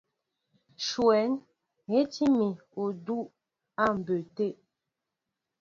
Shwɛ̂n hɛ́tí mi udʉ́ á mbə̌ tə.